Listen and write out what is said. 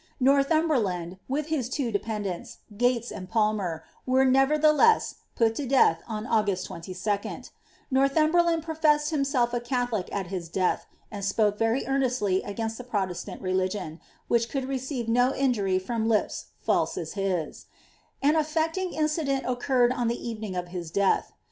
Northumberland, with his two depeiidanLs, Uatea and Pulmeri were nevertheleia pul tu death on August 'i2. Nonhnmberlmid prt> reB»il himself b Catholic at hia deaili. and spoke very earnestly a^inst the Protesiaiil rehgton. which eould receive no injury ftoin li(>s raise tu his. An aiTectJn); incident occurred on the evening of hjs death.